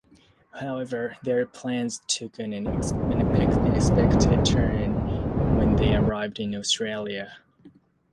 However, their plans took an unexpected turn when they arrived in Australia.